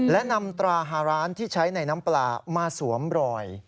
และนำตราฮาร้านที่ใช้ในน้ำปลามาสวมรอย